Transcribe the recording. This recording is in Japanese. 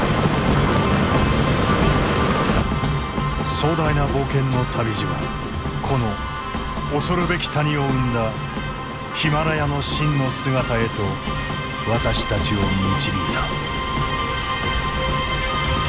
壮大な冒険の旅路はこの恐るべき谷を生んだヒマラヤの真の姿へと私たちを導いた。